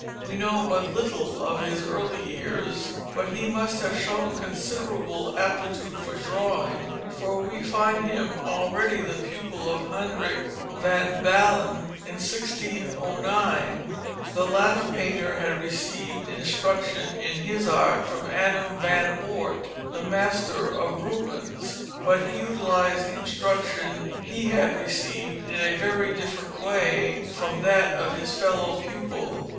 We know but little of his early years, but he must have shown considerable aptitude for drawing, for we find him already the pupil of Hendrik van Balen in 1609. The latter painter had received instruction in his art from Adam van Oort, the master of Rubens, but he utilised the instruction he had received in a very different way from that of his fellow pupil.